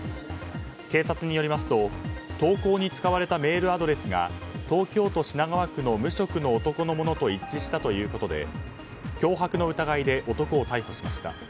警察によりますと投稿に使われたメールアドレスが東京都品川区の無職の男のものと一致したということで脅迫の疑いで男を逮捕しました。